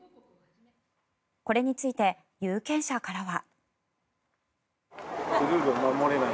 これについて有権者からは。